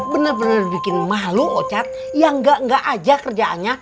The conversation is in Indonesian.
bener bener bikin mahluk ustadz yang nggak nggak aja kerjaannya